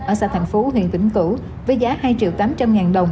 ở xã thành phú huyện vĩnh cửu với giá hai triệu tám trăm linh ngàn đồng